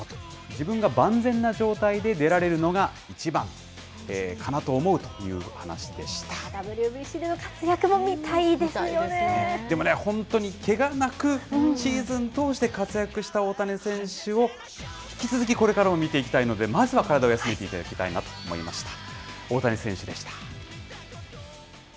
自分が万全な状態で出られるのがＷＢＣでの活躍も見たいですでもね、本当にけがなく、シーズン通して活躍した大谷選手を引き続き、これからも見ていきたいので、まずは体を休めていただきたいなと思いました。